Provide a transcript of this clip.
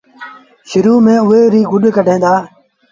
شرو ميݩ ايئي ريٚ گُڏ ڪڍين دآ۔